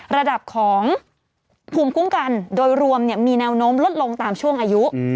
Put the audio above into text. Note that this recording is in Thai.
ระดับของภูมิคุ้มกันโดยรวมมีแนวโน้มลดลงตามช่วงอายุ